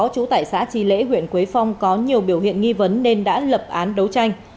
trú tại xã tri lễ huyện quế phong có nhiều biểu hiện nghi vấn nên đã lập án đấu tranh